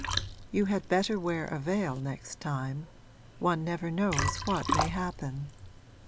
You had better wear a veil next time one never knows what may happen.